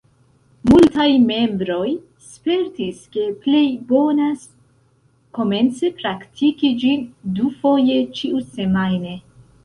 Multaj membroj spertis ke plej bonas komence praktiki ĝin dufoje ĉiusemajne.